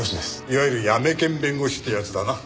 いわゆるヤメ検弁護士ってやつだな。